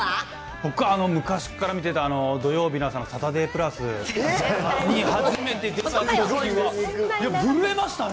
僕は昔っから見てた、土曜日朝のサタデープラスに初めて出たときは震えましたね。